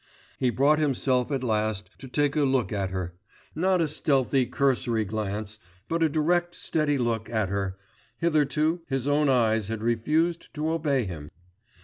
He brought himself at last to take a look at her; not a stealthy cursory glance, but a direct steady look at her, hitherto his own eyes had refused to obey him.